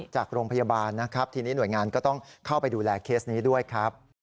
จากโรงพยาบาลนะครับทีนี้หน่วยงานก็ต้องเข้าไปดูแลเคสนี้ด้วยครับ